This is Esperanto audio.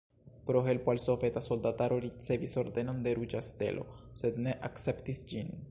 Pro helpo al soveta soldataro ricevis Ordenon de Ruĝa Stelo, sed ne akceptis ĝin.